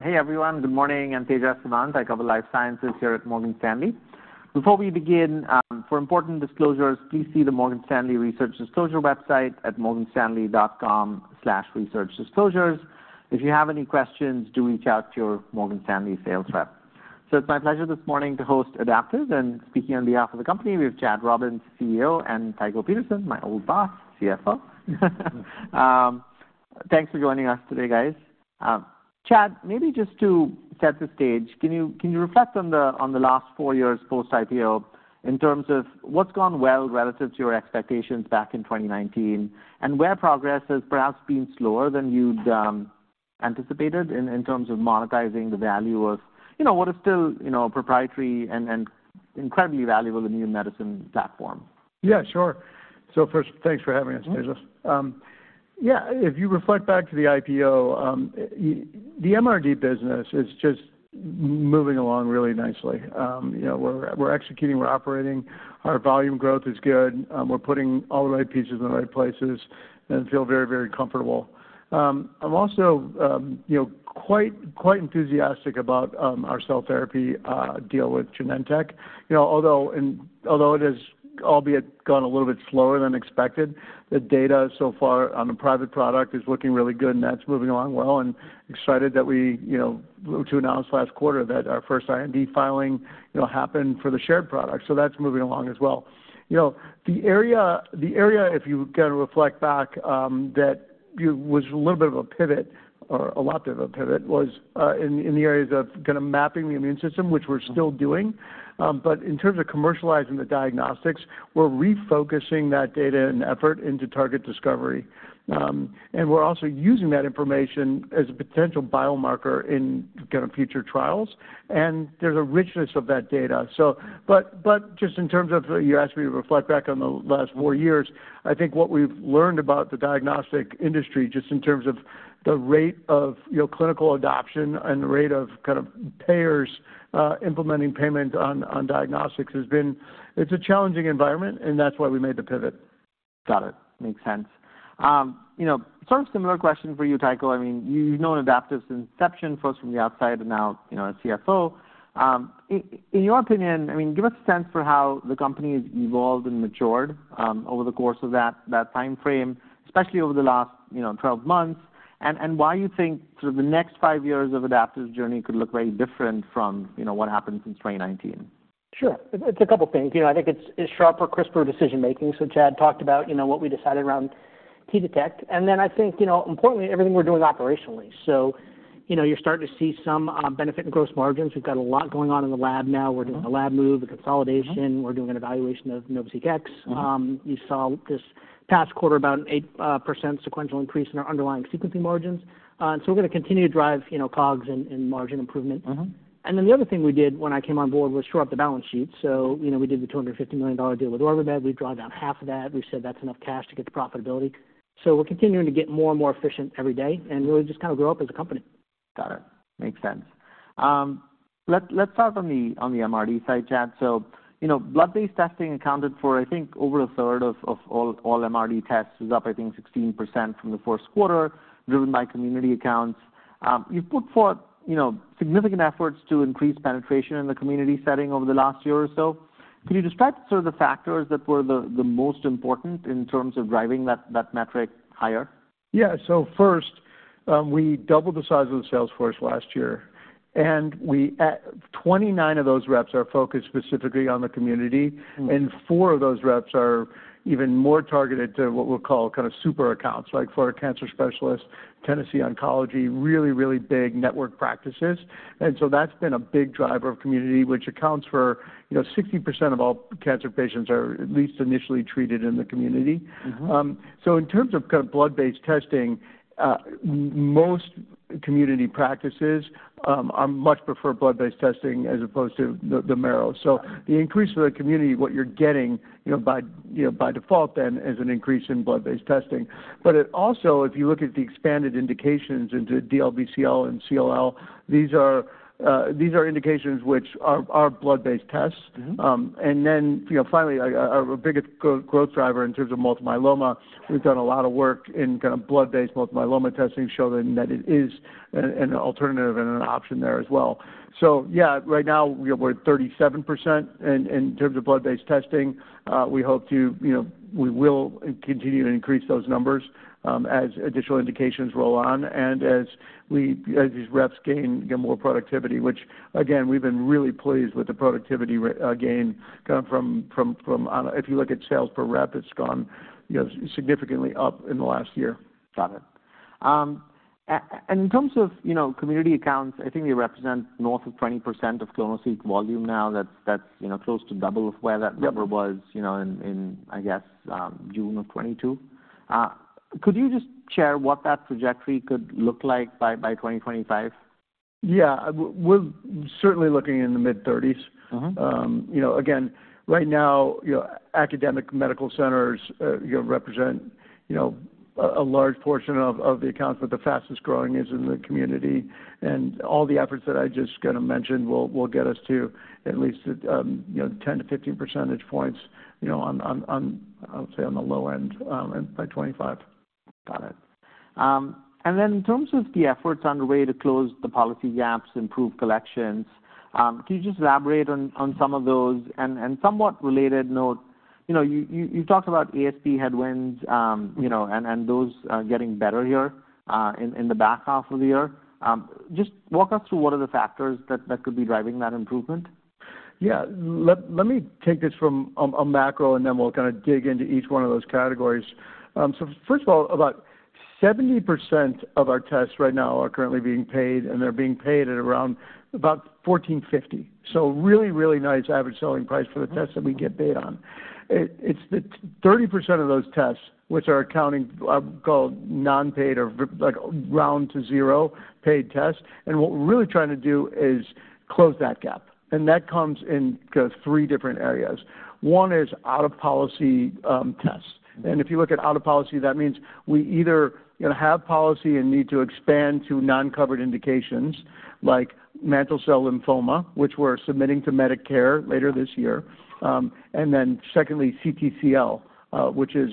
Hey, everyone. Good morning, I'm Tejas Savant. I cover life sciences here at Morgan Stanley. Before we begin, for important disclosures, please see the Morgan Stanley Research Disclosure website at morganstanley.com/researchdisclosures. If you have any questions, do reach out to your Morgan Stanley sales rep. It's my pleasure this morning to host Adaptive, and speaking on behalf of the company, we have Chad Robins, CEO, and Tycho Peterson, my old boss, CFO. Thanks for joining us today, guys. Chad, maybe just to set the stage, can you reflect on the last four years post-IPO in terms of what's gone well relative to your expectations back in 2019, and where progress has perhaps been slower than you'd anticipated in terms of monetizing the value of, you know, what is still, you know, a proprietary and incredibly valuable immune medicine platform? Yeah, sure. So first, thanks for having us, Tejas. Mm-hmm. Yeah, if you reflect back to the IPO, the MRD business is just moving along really nicely. You know, we're executing, we're operating. Our volume growth is good. We're putting all the right pieces in the right places and feel very, very comfortable. I'm also, you know, quite enthusiastic about our cell therapy deal with Genentech. You know, although it has, albeit, gone a little bit slower than expected, the data so far on the private product is looking really good, and that's moving along well, and excited that we, you know, to announce last quarter that our first IND filing, you know, happened for the shared product. So that's moving along as well. You know, the area, if you kind of reflect back, that you... was a little bit of a pivot, or a lot of a pivot, in the areas of kind of mapping the immune system, which we're still doing. But in terms of commercializing the diagnostics, we're refocusing that data and effort into target discovery. And we're also using that information as a potential biomarker in kind of future trials, and there's a richness of that data. So, but just in terms of, you asked me to reflect back on the last four years, I think what we've learned about the diagnostic industry, just in terms of the rate of, you know, clinical adoption and the rate of kind of payers implementing payment on diagnostics, has been... It's a challenging environment, and that's why we made the pivot. Got it. Makes sense. You know, sort of similar question for you, Tycho. I mean, you've known Adaptive since inception, first from the outside and now, you know, as CFO. In your opinion, I mean, give us a sense for how the company has evolved and matured over the course of that time frame, especially over the last 12 months, and why you think sort of the next five years of Adaptive's journey could look very different from, you know, what happened since 2019. Sure. It's a couple things. You know, I think it's sharper, crisper decision making. So Chad talked about, you know, what we decided around T-Detect. And then I think, you know, importantly, everything we're doing operationally. So, you know, you're starting to see some benefit in gross margins. We've got a lot going on in the lab now. Mm-hmm. We're doing a lab move, a consolidation. Mm-hmm. We're doing an evaluation of NovaSeq X. Mm-hmm. You saw this past quarter, about an 8% sequential increase in our underlying sequencing margins. So we're going to continue to drive, you know, COGS and, and margin improvement. Mm-hmm. Then the other thing we did when I came on board was shore up the balance sheet. So, you know, we did the $250 million deal with OrbiMed. We've drawn down half of that. We've said that's enough cash to get to profitability. So we're continuing to get more and more efficient every day and really just kind of grow up as a company. Got it. Makes sense. Let's start on the MRD side, Chad. So, you know, blood-based testing accounted for, I think, over a third of all MRD tests. It's up, I think, 16% from the first quarter, driven by community accounts. You've put forth, you know, significant efforts to increase penetration in the community setting over the last year or so. Can you describe sort of the factors that were the most important in terms of driving that metric higher? Yeah. So first, we doubled the size of the sales force last year, and we, 29 of those reps are focused specifically on the community- Mm-hmm. - and four of those reps are even more targeted to what we'll call kind of super accounts, like Florida Cancer Specialists, Tennessee Oncology, really, really big network practices. And so that's been a big driver of community, which accounts for, you know, 60% of all cancer patients are at least initially treated in the community. Mm-hmm. So in terms of kind of blood-based testing, most community practices much prefer blood-based testing as opposed to the marrow. Got it. So the increase in the community, what you're getting, you know, by, you know, by default then, is an increase in blood-based testing. But it also, if you look at the expanded indications into DLBCL and CLL, these are, these are indications which are, are blood-based tests. Mm-hmm. And then, you know, finally, a big growth driver in terms of multiple myeloma, we've done a lot of work in kind of blood-based multiple myeloma testing, showing that it is an alternative and an option there as well. So yeah, right now, we're at 37% in terms of blood-based testing. We hope to, you know... We will continue to increase those numbers, as additional indications roll on and as we, as these reps get more productivity, which again, we've been really pleased with the productivity gain, kind of from if you look at sales per rep, it's gone, you know, significantly up in the last year. Got it. And in terms of, you know, community accounts, I think they represent north of 20% of clonoSEQ volume now. That's, you know, close to double of where that- Yep Number was, you know, in, I guess, June of 2022. Could you just share what that trajectory could look like by 2025? Yeah. We're certainly looking in the mid-30s. Mm-hmm. You know, again, right now, you know, academic medical centers, you know, represent, you know, a large portion of the accounts, but the fastest growing is in the community, and all the efforts that I just kind of mentioned will get us to at least, you know, 10-15 percentage points, you know, on, I would say, on the low end, by 2025. ... and then, in terms of the efforts underway to close the policy gaps, improve collections, can you just elaborate on some of those? On a somewhat related note, you know, you talked about ASP headwinds, you know, and those getting better here in the back half of the year. Just walk us through what are the factors that could be driving that improvement. Yeah. Let me take this from a macro, and then we'll kind of dig into each one of those categories. So first of all, about 70% of our tests right now are currently being paid, and they're being paid at around about $1,450. So really, really nice average selling price for the tests that we get paid on. It's the 30% of those tests, which are accounting called non-paid or like, round to zero paid tests, and what we're really trying to do is close that gap, and that comes in kind of three different areas. One is out-of-policy tests. And if you look at out-of-policy, that means we either, you know, have policy and need to expand to non-covered indications, like mantle cell lymphoma, which we're submitting to Medicare later this year. And then secondly, CTCL, which is,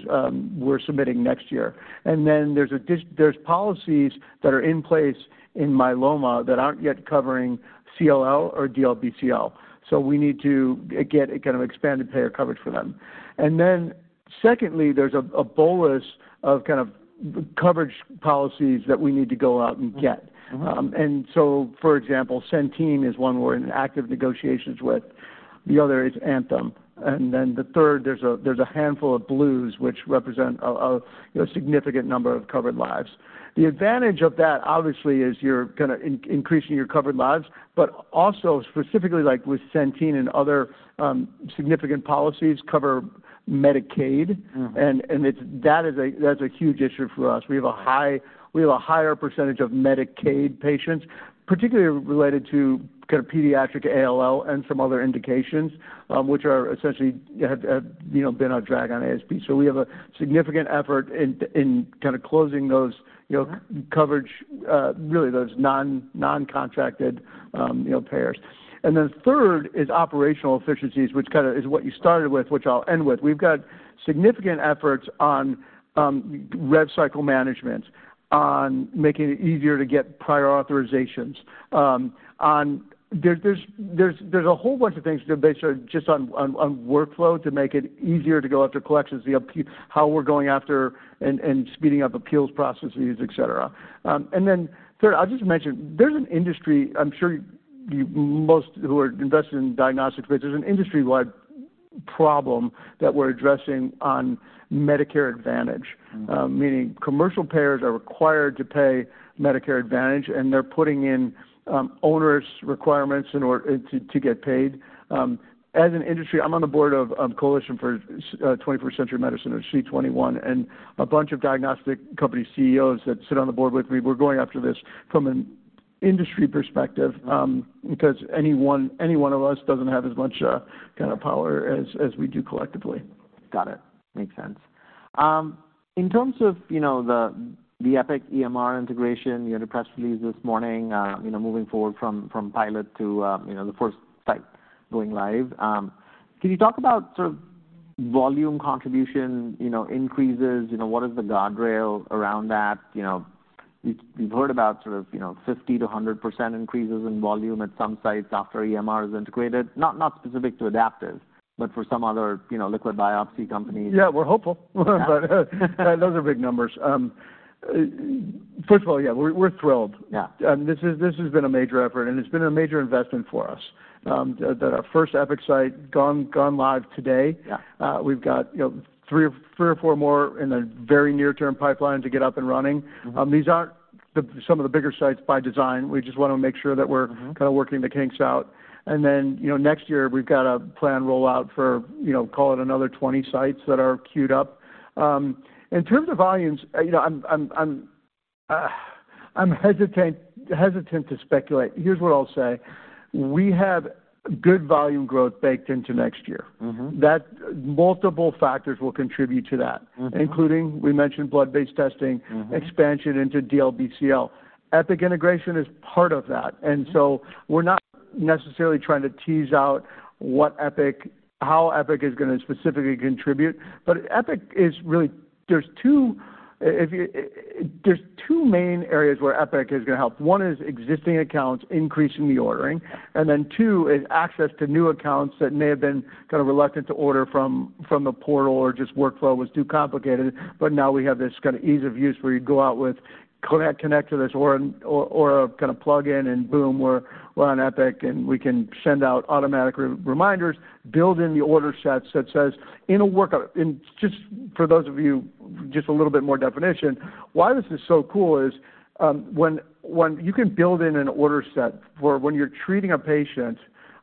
we're submitting next year. And then there's policies that are in place in myeloma that aren't yet covering CLL or DLBCL, so we need to get a kind of expanded payer coverage for them. And then secondly, there's a bolus of kind of coverage policies that we need to go out and get. Mm-hmm. and so, for example, Centene is one we're in active negotiations with. The other is Anthem. And then the third, there's a handful of Blues, which represent a, you know, significant number of covered lives. The advantage of that, obviously, is you're gonna increasing your covered lives, but also specifically, like with Centene and other significant policies, cover Medicaid. Mm-hmm. And it's that is a, that's a huge issue for us. We have a higher percentage of Medicaid patients, particularly related to kind of pediatric ALL and some other indications, which are essentially, you know, been our drag on ASP. So we have a significant effort in kind of closing those, you know, coverage, really those non-contracted, you know, payers. And then third is operational efficiencies, which kind of is what you started with, which I'll end with. We've got significant efforts on rev cycle management, on making it easier to get prior authorizations, on. There's a whole bunch of things that are based on just on workflow to make it easier to go after collections, how we're going after and speeding up appeals processes, et cetera. And then third, I'll just mention, there's an industry. I'm sure you most who are invested in diagnostics, but there's an industry-wide problem that we're addressing on Medicare Advantage. Mm-hmm. Meaning commercial payers are required to pay Medicare Advantage, and they're putting in onerous requirements in order to get paid. As an industry, I'm on the board of Coalition for 21st Century Medicine, or C21, and a bunch of diagnostic company CEOs that sit on the board with me, we're going after this from an industry perspective, because any one of us doesn't have as much kind of power as we do collectively. Got it. Makes sense. In terms of, you know, the Epic EMR integration, you had a press release this morning, you know, moving forward from pilot to, you know, the first site going live. Can you talk about sort of volume contribution, you know, increases? You know, what is the guardrail around that? You know, we've heard about sort of, you know, 50%-100% increases in volume at some sites after EMR is integrated, not specific to Adaptive, but for some other, you know, liquid biopsy companies. Yeah, we're hopeful, but those are big numbers. First of all, yeah, we're, we're thrilled. Yeah. This has been a major effort, and it's been a major investment for us, that our first Epic site gone live today. Yeah. We've got, you know, three or four more in a very near-term pipeline to get up and running. Mm-hmm. These aren't some of the bigger sites by design. We just wanna make sure that we're- Mm-hmm... kind of working the kinks out. And then, you know, next year, we've got a planned rollout for, you know, call it another 20 sites that are queued up. In terms of volumes, you know, I'm hesitant to speculate. Here's what I'll say: We have good volume growth baked into next year. Mm-hmm. That multiple factors will contribute to that. Mm-hmm. Including, we mentioned blood-based testing- Mm-hmm... expansion into DLBCL. Epic integration is part of that. Mm-hmm. So we're not necessarily trying to tease out what Epic, how Epic is gonna specifically contribute, but Epic is really... There's two main areas where Epic is gonna help. One is existing accounts increasing the ordering, and then two is access to new accounts that may have been kind of reluctant to order from the portal or just workflow was too complicated, but now we have this kind of ease of use where you go out with connect to this or a kind of plug in, and boom, we're on Epic, and we can send out automatic reminders, build in the order sets that says, in a workup... Just for those of you, just a little bit more definition, why this is so cool is, when you can build in an order set for when you're treating a patient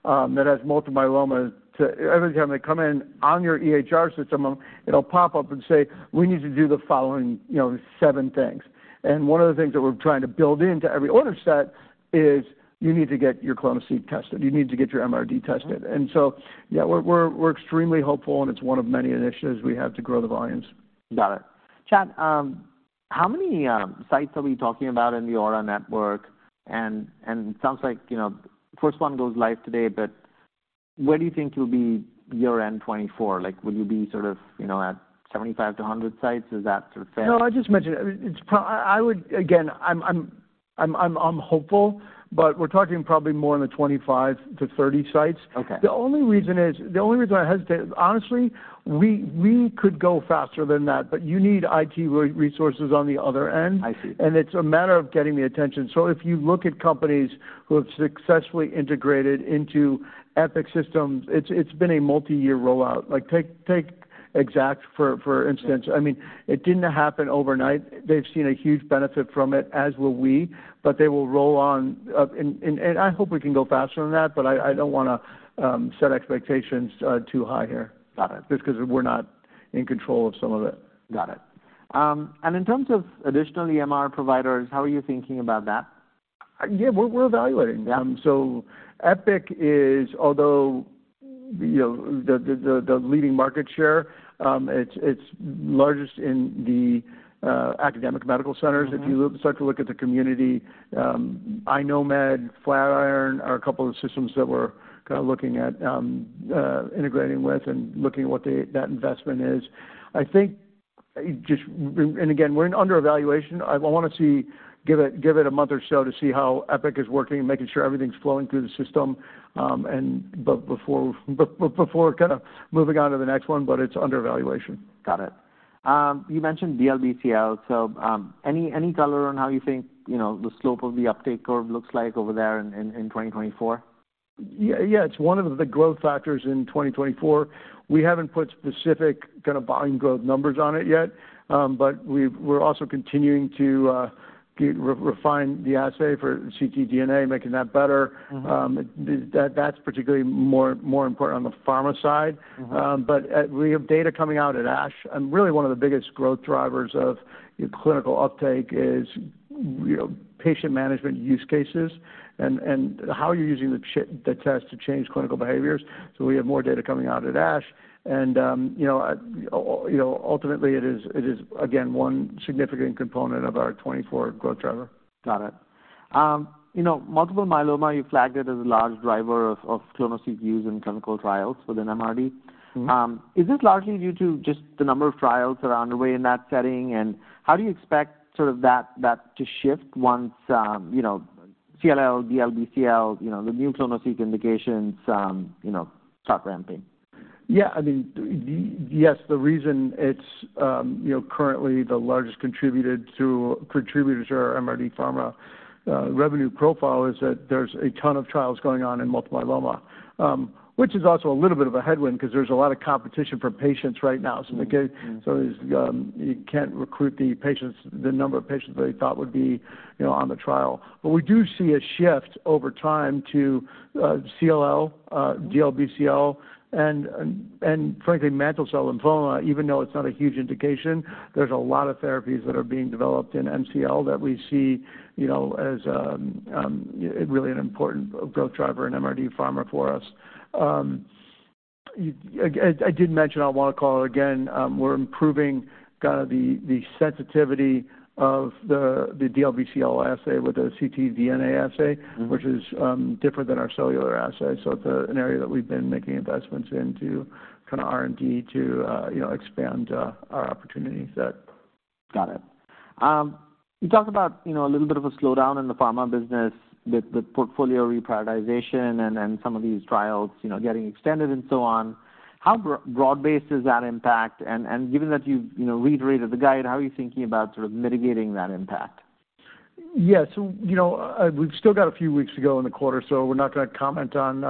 that has Multiple Myeloma, to every time they come in on your EHR system, it'll pop up and say: We need to do the following, you know, seven things. And one of the things that we're trying to build into every order set is, you need to get your clonoSEQ tested. You need to get your MRD tested. Mm-hmm. And so, yeah, we're extremely hopeful, and it's one of many initiatives we have to grow the volumes. Got it. Chad, how many sites are we talking about in the Aura network? And it sounds like, you know, first one goes live today, but where do you think you'll be year-end 2024? Like, will you be sort of, you know, at 75-100 sites? Is that sort of fair? No, I just mentioned, I mean, it's – I would – again, I'm hopeful, but we're talking probably more in the 25-30 sites. Okay. The only reason is, the only reason I hesitate, honestly, we, we could go faster than that, but you need IT resources on the other end. I see. And it's a matter of getting the attention. So if you look at companies who have successfully integrated into Epic Systems, it's been a multi-year rollout. Like, take Exact, for instance. I mean, it didn't happen overnight. They've seen a huge benefit from it, as will we, but they will roll on. And I hope we can go faster than that, but I don't wanna set expectations, too high here- Got it... just 'cause we're not in control of some of it. Got it. And in terms of additional EMR providers, how are you thinking about that? Yeah, we're, we're evaluating. So Epic is, although, you know, the leading market share, it's, it's largest in the academic medical centers. Mm-hmm. If you start to look at the community, iKnowMed, Flatiron are a couple of systems that we're kind of looking at, integrating with and looking at what they, that investment is. I think just... And again, we're in under evaluation. I wanna see, give it a month or so to see how Epic is working and making sure everything's flowing through the system, and but before kind of moving on to the next one, but it's under evaluation. Got it. You mentioned DLBCL, so any color on how you think, you know, the slope of the uptake curve looks like over there in 2024? Yeah, yeah, it's one of the growth factors in 2024. We haven't put specific kind of volume growth numbers on it yet, but we've. We're also continuing to refine the assay for ctDNA, making that better. Mm-hmm. That's particularly more important on the pharma side. Mm-hmm. But we have data coming out at ASH, and really one of the biggest growth drivers of clinical uptake is, you know, patient management use cases and, and how you're using the test to change clinical behaviors. So we have more data coming out at ASH, and, you know, you know, ultimately it is, it is, again, one significant component of our 24 growth driver. Got it. You know, Multiple Myeloma, you flagged it as a large driver of clonoSEQ use in clinical trials within MRD. Mm-hmm. Is this largely due to just the number of trials that are underway in that setting? How do you expect sort of that, that to shift once, you know, CLL, DLBCL, you know, the new clonoSEQ indications, you know, start ramping? Yeah. I mean, yes, the reason it's currently the largest contributor to our MRD pharma revenue profile, is that there's a ton of trials going on in Multiple Myeloma. Which is also a little bit of a headwind because there's a lot of competition for patients right now. Mm-hmm. So, you can't recruit the patients, the number of patients that you thought would be, you know, on the trial. But we do see a shift over time to CLL, DLBCL, and frankly, mantle cell lymphoma, even though it's not a huge indication, there's a lot of therapies that are being developed in MCL that we see, you know, as really an important growth driver in MRD pharma for us. I did mention on one call, again, we're improving kind of the sensitivity of the DLBCL assay with the ctDNA assay- Mm-hmm... which is different than our cellular assay. So it's an area that we've been making investments into, kind of R&D, to you know, expand our opportunity set. Got it. You talked about, you know, a little bit of a slowdown in the pharma business with portfolio reprioritization and some of these trials, you know, getting extended and so on. How broad-based is that impact? And given that you've, you know, reiterated the guide, how are you thinking about sort of mitigating that impact? Yes. So, you know, we've still got a few weeks to go in the quarter, so we're not going to comment on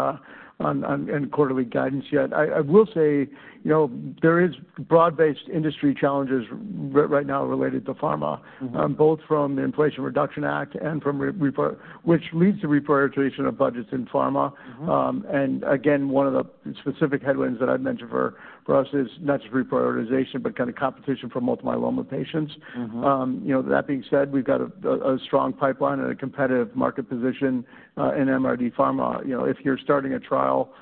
any quarterly guidance yet. I will say, you know, there is broad-based industry challenges right now related to pharma- Mm-hmm... both from the Inflation Reduction Act and from reprioritization, which leads to reprioritization of budgets in pharma. Mm-hmm. And again, one of the specific headwinds that I'd mention for us is not just reprioritization, but kind of competition for Multiple Myeloma patients. Mm-hmm. You know, that being said, we've got a strong pipeline and a competitive market position in MRD pharma. You know, if you're starting a trial,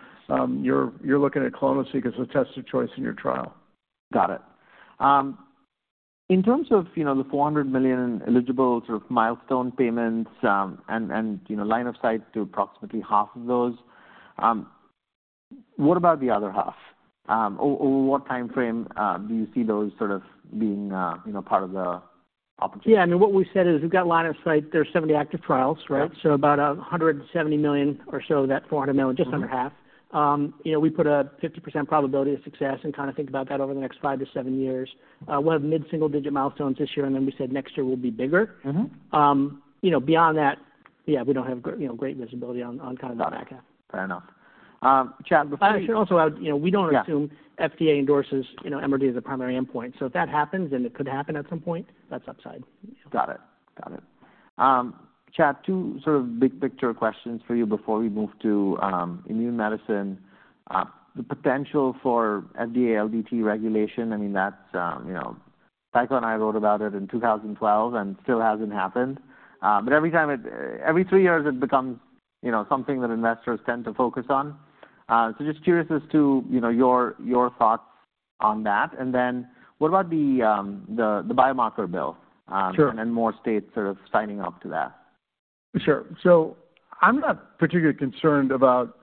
you're looking at clonoSEQ as a test of choice in your trial. Got it. In terms of, you know, the $400 million eligible sort of milestone payments, and, you know, line of sight to approximately half of those, what about the other half? Over what time frame do you see those sort of being, you know, part of the opportunity? Yeah, I mean, what we said is we've got a line of sight. There's 70 active trials, right? Yeah. About $170 million or so, of that $400 million, just under half. You know, we put a 50% probability of success and kind of think about that over the next five-seven years. We'll have mid-single-digit milestones this year, and then we said next year will be bigger. Mm-hmm. You know, beyond that, yeah, we don't have great, you know, great visibility on kind of the back half. Fair enough. Chad, before- I should also add, you know, we don't- Yeah... assume FDA endorses, you know, MRD as a primary endpoint. So if that happens, and it could happen at some point, that's upside. Got it. Got it. Chad, two sort of big-picture questions for you before we move to, immune medicine. The potential for FDA LDT regulation, I mean, that's, you know, Michael and I wrote about it in 2012, and still hasn't happened. But every time it, every three years, it becomes, you know, something that investors tend to focus on. So just curious as to, you know, your, your thoughts on that. And then what about the, the, the biomarker bill? Sure. And then more states sort of signing up to that. ... Sure. So I'm not particularly concerned about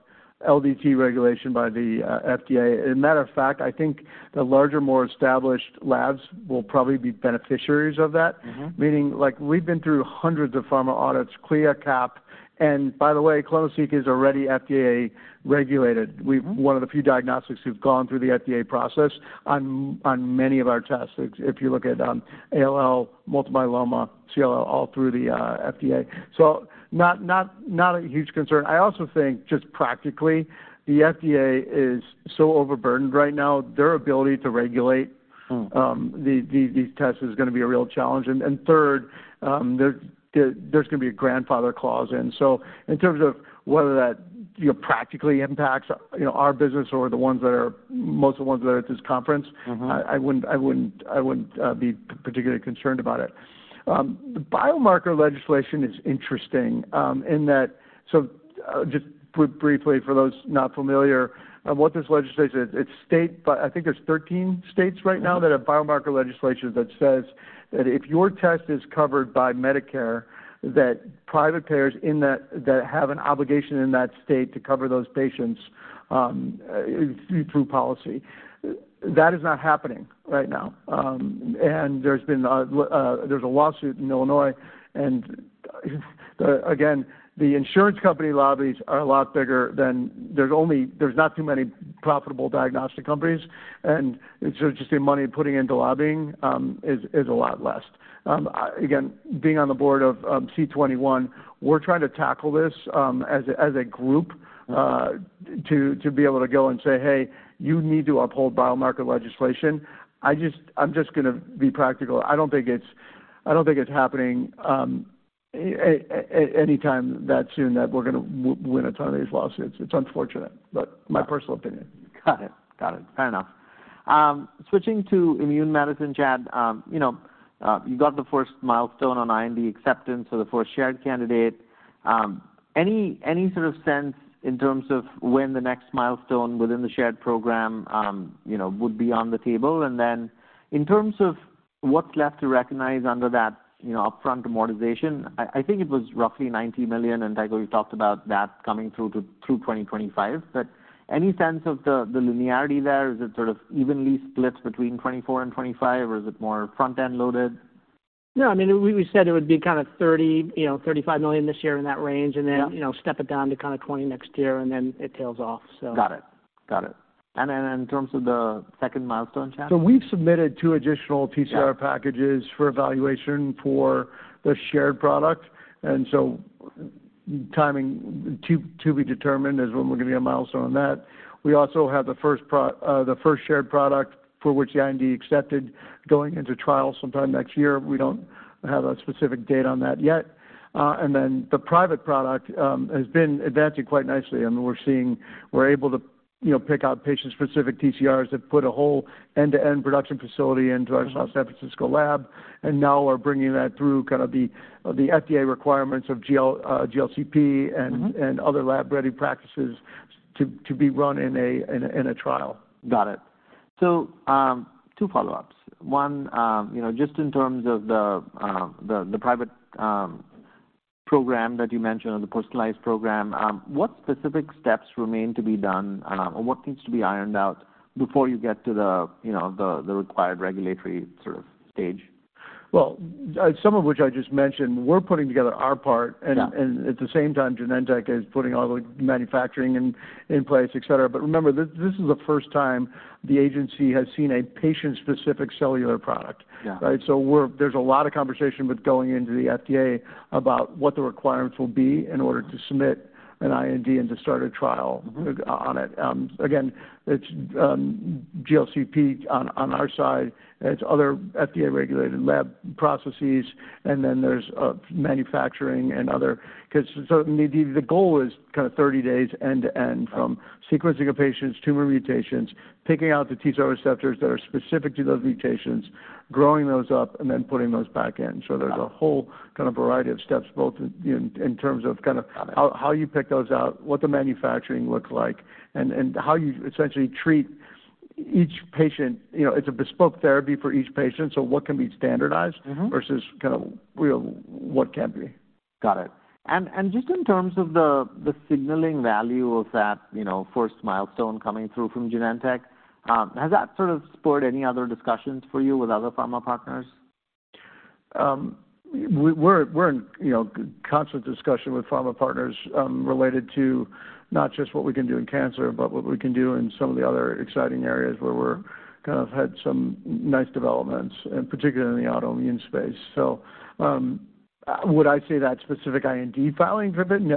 LDT regulation by the FDA. As a matter of fact, I think the larger, more established labs will probably be beneficiaries of that. Mm-hmm. Meaning, like, we've been through hundreds of pharma audits, CLIA, CAP, and by the way, clonoSEQ is already FDA-regulated. We're one of the few diagnostics who've gone through the FDA process on many of our tests. If you look at ALL, multiple myeloma, CLL, all through the FDA. So not a huge concern. I also think, just practically, the FDA is so overburdened right now, their ability to regulate- Mm. these tests is gonna be a real challenge. And third, there's gonna be a grandfather clause in. So in terms of whether that, you know, practically impacts, you know, our business or the ones that are... most of the ones that are at this conference- Mm-hmm. I wouldn't be particularly concerned about it. The biomarker legislation is interesting in that. So, just put briefly for those not familiar on what this legislation is, it's state, but I think there's 13 states right now- Mm-hmm. -that have biomarker legislation that says that if your test is covered by Medicare, that private payers in that, that have an obligation in that state to cover those patients, through policy. That is not happening right now. And there's a lawsuit in Illinois, and, again, the insurance company lobbies are a lot bigger than... There's not too many profitable diagnostic companies, and in terms of just the money putting into lobbying, is a lot less. Again, being on the board of C21, we're trying to tackle this, as a group, to be able to go and say, "Hey, you need to uphold biomarker legislation." I'm just gonna be practical. I don't think it's happening anytime that soon that we're gonna win a ton of these lawsuits. It's unfortunate, but my personal opinion. Got it. Got it. Fair enough. Switching to immune medicine, Chad, you know, you got the first milestone on IND acceptance, so the first shared candidate. Any sort of sense in terms of when the next milestone within the shared program, you know, would be on the table? And then in terms of what's left to recognize under that, you know, upfront amortization, I think it was roughly $90 million, and Tycho, you talked about that coming through to, through 2025. But any sense of the linearity there? Is it sort of evenly split between 2024 and 2025, or is it more front-end loaded? No, I mean, we said it would be kind of $30-$35 million this year in that range- Yeah. and then, you know, step it down to kind of 20 next year, and then it tails off, so. Got it. Got it. And then in terms of the second milestone, Chad? So we've submitted two additional TCR packages- Yeah for evaluation for the shared product, and so timing to be determined is when we're giving a milestone on that. We also have the first shared product for which the IND accepted going into trial sometime next year. We don't have a specific date on that yet. And then the private product has been advancing quite nicely, and we're seeing... We're able to, you know, pick out patient-specific TCRs that put a whole end-to-end production facility into our- Mm-hmm -San Francisco lab, and now we're bringing that through kind of the FDA requirements of GCLP and- Mm-hmm and other lab-ready practices to be run in a trial. Got it. So, two follow-ups. One, you know, just in terms of the private program that you mentioned, the personalized program, what specific steps remain to be done, or what needs to be ironed out before you get to the, you know, the required regulatory sort of stage? Well, some of which I just mentioned, we're putting together our part- Yeah And at the same time, Genentech is putting all the manufacturing in place, et cetera. But remember, this is the first time the agency has seen a patient-specific cellular product. Yeah. Right? So there's a lot of conversation with going into the FDA about what the requirements will be in order to submit an IND and to start a trial. Mm-hmm -on it. Again, it's GCLP on our side, and it's other FDA-regulated lab processes, and then there's manufacturing and other... Because, so the goal is kind of 30 days end-to-end- Yeah from sequencing a patient's tumor mutations, picking out the T-cell receptors that are specific to those mutations, growing those up, and then putting those back in. Got it. There's a whole kind of variety of steps, both in, in terms of kind of- Got it how you pick those out, what the manufacturing looks like, and how you essentially treat each patient. You know, it's a bespoke therapy for each patient, so what can be standardized- Mm-hmm kind of, you know, what can't be. Got it. And just in terms of the signaling value of that, you know, first milestone coming through from Genentech, has that sort of spurred any other discussions for you with other pharma partners? We're in, you know, constant discussion with pharma partners, related to not just what we can do in cancer, but what we can do in some of the other exciting areas where we're kind of had some nice developments, and particularly in the autoimmune space. So, would I say that specific IND filing driven?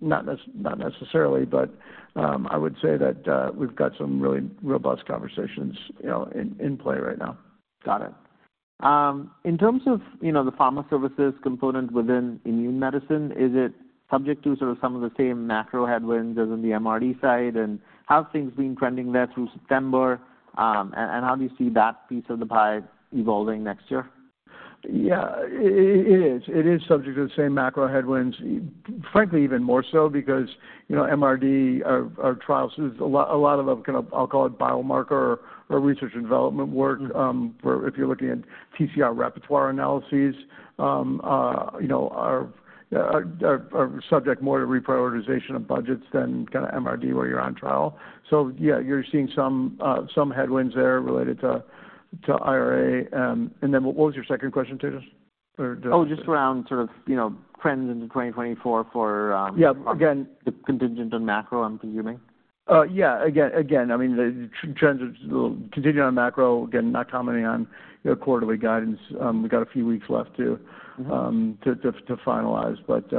Not necessarily, but I would say that we've got some really robust conversations, you know, in play right now. Got it. In terms of, you know, the pharma services component within immune medicine, is it subject to sort of some of the same macro headwinds as on the MRD side? How have things been trending there through September, and how do you see that piece of the pie evolving next year?... Yeah, it is. It is subject to the same macro headwinds, frankly, even more so because, you know, MRD, our trials, there's a lot of them, kind of. I'll call it biomarker or research and development work. Where if you're looking at TCR repertoire analyses, you know, are subject more to reprioritization of budgets than kind of MRD, where you're on trial. So yeah, you're seeing some headwinds there related to IRA. And then what was your second question, Tejas? Or did I- Oh, just around sort of, you know, trends into 2024 for, Yeah, again- Contingent on macro, I'm assuming. Yeah. Again, I mean, the trends will continue on macro. Again, not commenting on your quarterly guidance. We've got a few weeks left to finalize. But,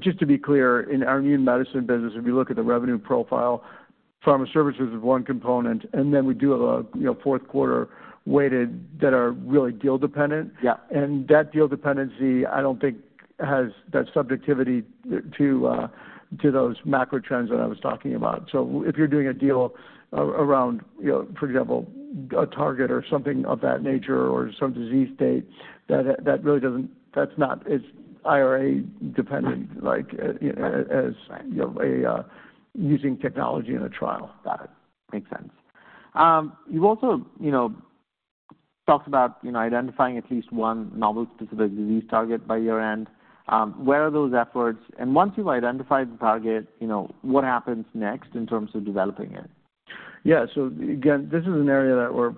just to be clear, in our immune medicine business, if you look at the revenue profile, pharma services is one component, and then we do have a, you know, fourth quarter weighted that are really deal dependent. Yeah. That deal dependency, I don't think has that subjectivity to those macro trends that I was talking about. So if you're doing a deal around, you know, for example, a target or something of that nature or some disease state, that really doesn't-- that's not as IRA dependent, like, as, you know, using technology in a trial. Got it. Makes sense. You've also, you know, talked about, you know, identifying at least one novel specific disease target by year-end. Where are those efforts? And once you've identified the target, you know, what happens next in terms of developing it? Yeah. So again, this is an area that we're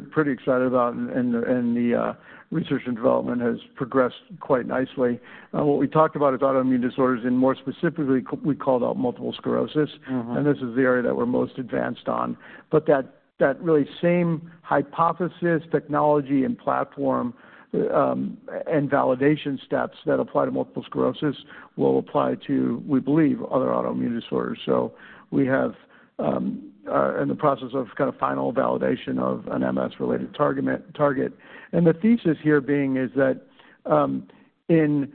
pretty excited about, and the research and development has progressed quite nicely. What we talked about is autoimmune disorders, and more specifically, we called out multiple sclerosis. Mm-hmm. This is the area that we're most advanced on. But that really same hypothesis, technology, and platform, and validation steps that apply to multiple sclerosis will apply to, we believe, other autoimmune disorders. So we are in the process of kind of final validation of an MS-related targetment, target. And the thesis here being is that, in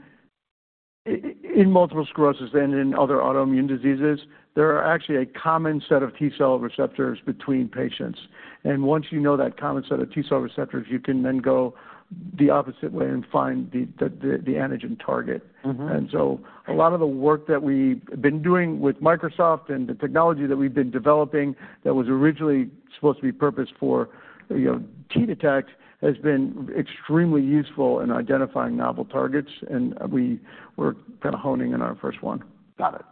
multiple sclerosis and in other autoimmune diseases, there are actually a common set of T cell receptors between patients. And once you know that common set of T cell receptors, you can then go the opposite way and find the antigen target. Mm-hmm. So a lot of the work that we've been doing with Microsoft and the technology that we've been developing that was originally supposed to be purposed for, you know, T-Detect, has been extremely useful in identifying novel targets, and we're kind of honing in our first one. Got it.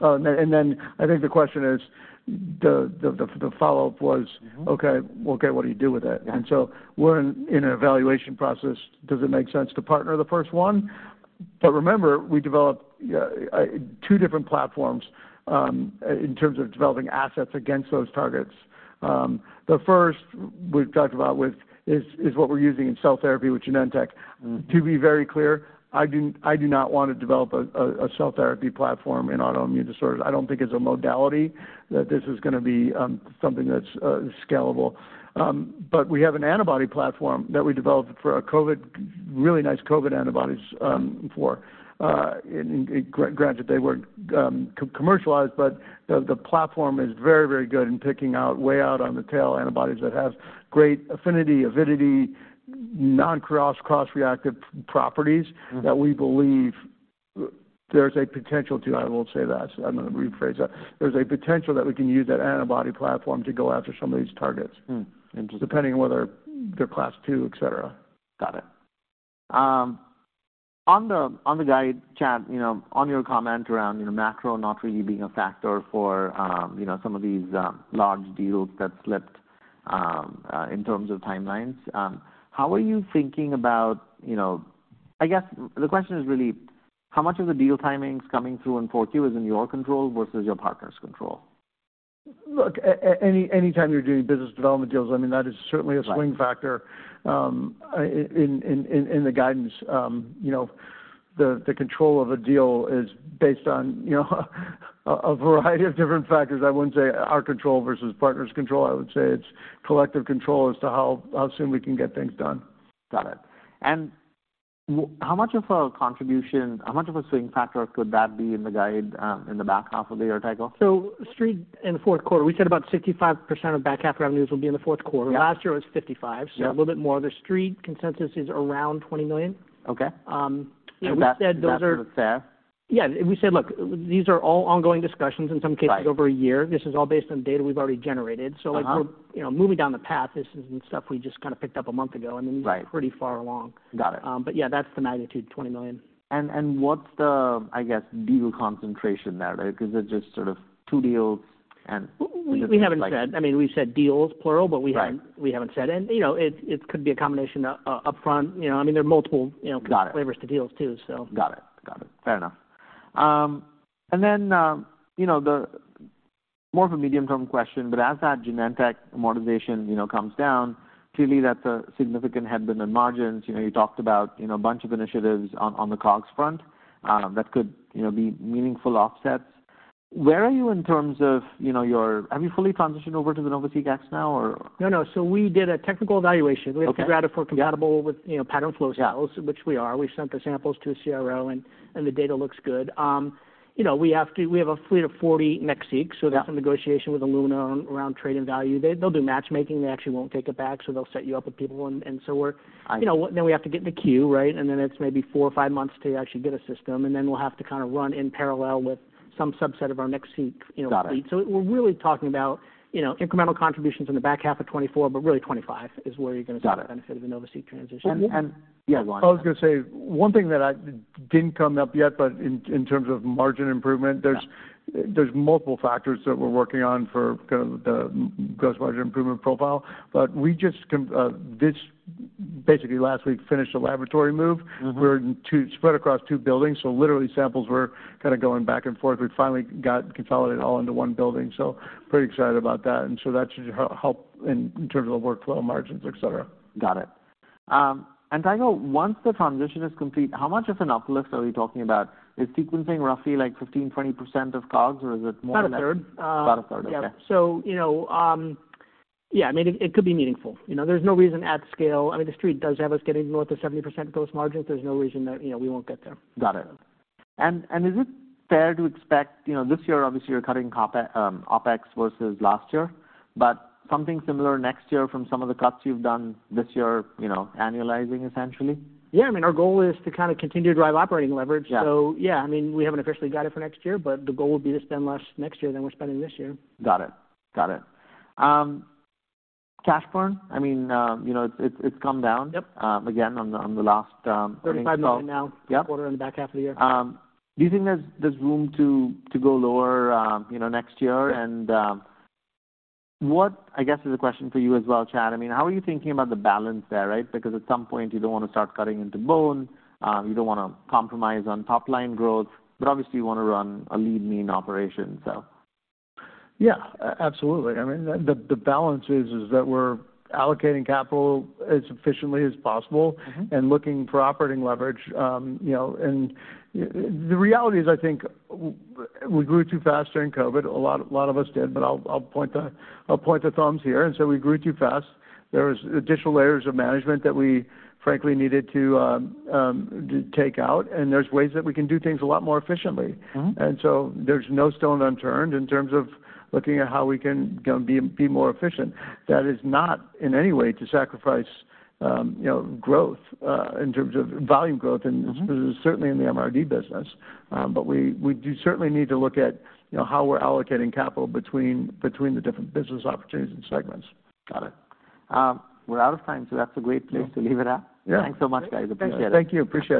And then I think the question is, the follow-up was- Mm-hmm. Okay, well, okay, what do you do with it? Yeah. So we're in an evaluation process. Does it make sense to partner the first one? But remember, we developed two different platforms in terms of developing assets against those targets. The first we've talked about with is what we're using in cell therapy with Genentech. Mm-hmm. To be very clear, I do not want to develop a cell therapy platform in autoimmune disorders. I don't think it's a modality that this is gonna be something that's scalable. But we have an antibody platform that we developed for a COVID, really nice COVID antibodies, for granted they weren't co-commercialized, but the platform is very, very good in picking out, way out on the tail, antibodies that have great affinity, avidity, non cross-reactive properties- Mm-hmm. that we believe there's a potential to... I won't say that. I'm going to rephrase that. There's a potential that we can use that antibody platform to go after some of these targets. Hmm, interesting. Depending on whether they're class two, et cetera. Got it. On the, on the guide, Chad, you know, on your comment around, you know, macro not really being a factor for, you know, some of these, large deals that slipped, in terms of timelines, how are you thinking about, you know... I guess the question is really, how much of the deal timings coming through in Q4 is in your control versus your partner's control? Look, anytime you're doing business development deals, I mean, that is certainly- Right A swing factor in the guidance. You know, the control of a deal is based on, you know, a variety of different factors. I wouldn't say our control versus partners' control. I would say it's collective control as to how soon we can get things done. Got it. And how much of a contribution, how much of a swing factor could that be in the guide, in the back half of the year, Tycho? Street, in the fourth quarter, we said about 65% of back half revenues will be in the fourth quarter. Yeah. Last year, it was 55. Yeah. A little bit more. The Street consensus is around $20 million. Okay. We said those are- That's what it says? Yeah. We said, look, these are all ongoing discussions, in some cases- Right... over a year. This is all based on data we've already generated. Uh-huh. So, like, we're, you know, moving down the path. This isn't stuff we just kind of picked up a month ago. Right. I mean, we're pretty far along. Got it. Yeah, that's the magnitude, $20 million. And what's the, I guess, deal concentration there, right? Because they're just sort of two deals, and- We haven't said. I mean, we've said deals, plural- Right... but we haven't, we haven't said. And, you know, it, it could be a combination upfront, you know, I mean, there are multiple, you know- Got it... flavors to deals too, so. Got it. Got it. Fair enough. And then, you know, the more of a medium-term question, but as that Genentech amortization, you know, comes down, clearly, that's a significant headwind in margins. You know, you talked about, you know, a bunch of initiatives on, on the COGS front, that could, you know, be meaningful offsets.... Where are you in terms of, you know, your, have you fully transitioned over to the NovaSeq X now or? No, no. So we did a technical evaluation. Okay. We have to figure out if we're compatible with, you know, patterned flow cells- Yeah. -which we are. We've sent the samples to a CRO, and the data looks good. You know, we have to-- we have a fleet of 40 NextSeq- Yeah. So that's in negotiation with Illumina around trade-in value. They, they'll do matchmaking. They actually won't take it back, so they'll set you up with people, and, and so we're- I- You know, then we have to get in the queue, right? And then it's maybe four or five months to actually get a system, and then we'll have to kind of run in parallel with some subset of our NextSeq, you know, fleet. Got it. We're really talking about, you know, incremental contributions in the back half of 2024, but really, 2025 is where you're gonna- Got it. see the benefit of the NovaSeq transition. Yes, Chad. I was gonna say, one thing that I didn't come up yet, but in terms of margin improvement- Yeah... there's multiple factors that we're working on for kind of the gross margin improvement profile. But we just basically last week finished a laboratory move. Mm-hmm. We're 2, spread across two buildings, so literally samples were kind of going back and forth. We finally got consolidated all into one building, so pretty excited about that, and so that should help in terms of workflow margins, et cetera. Got it. I know once the transition is complete, how much of an uplift are we talking about? Is sequencing roughly, like, 15%-20% of COGS, or is it more than that? About a third. About a third, okay. Yeah. So, you know, yeah, I mean, it could be meaningful. You know, there's no reason at scale... I mean, the street does have us getting north of 70% gross margins. There's no reason that, you know, we won't get there. Got it. And is it fair to expect, you know, this year, obviously, you're cutting CapEx, OpEx versus last year, but something similar next year from some of the cuts you've done this year, you know, annualizing essentially? Yeah, I mean, our goal is to kind of continue to drive operating leverage. Yeah. So yeah, I mean, we haven't officially got it for next year, but the goal would be to spend less next year than we're spending this year. Got it. Got it. Cash burn, I mean, you know, it's come down- Yep... again, on the last, five- $35 million now. Yep. Quarter in the back half of the year. Do you think there's room to go lower, you know, next year? And what, I guess, is a question for you as well, Chad, I mean, how are you thinking about the balance there, right? Because at some point, you don't wanna start cutting into bone. You don't wanna compromise on top-line growth, but obviously, you wanna run a lean, mean operation, so. Yeah, absolutely. I mean, the balance is that we're allocating capital as efficiently as possible- Mm-hmm... and looking for operating leverage. You know, and the reality is, I think, we grew too fast during COVID. A lot, a lot of us did, but I'll, I'll point the thumbs here and say we grew too fast. There was additional layers of management that we frankly needed to take out, and there's ways that we can do things a lot more efficiently. Mm-hmm. And so there's no stone unturned in terms of looking at how we can be more efficient. That is not in any way to sacrifice, you know, growth in terms of volume growth- Mm-hmm... and certainly in the MRD business. But we do certainly need to look at, you know, how we're allocating capital between the different business opportunities and segments. Got it. We're out of time, so that's a great place to leave it at. Yeah. Thanks so much, guys. Appreciate it. Thank you. Thank you. Appreciate it.